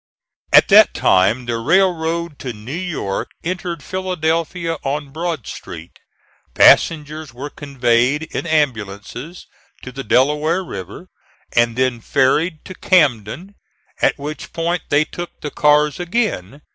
At that time the railroad to New York entered Philadelphia on Broad Street; passengers were conveyed in ambulances to the Delaware River, and then ferried to Camden, at which point they took the cars again.